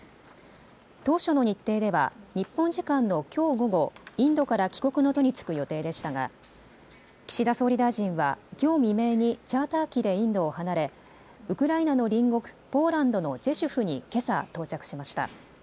当初の日程では日本時間のきょう午後、インドから帰国の途に就く予定でしたが岸田総理大臣はきょう未明にチャーター機でインドを離れ、ウクライナの隣国ポーランドのジェシュフにけさ到着しました。